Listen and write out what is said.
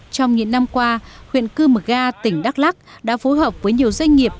trong những năm qua huyện cư mờ ga tỉnh đắk lắc đã phối hợp với nhiều doanh nghiệp